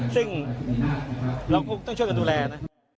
ซึ่งเราก็ต้องช่วยกันดูแลนะ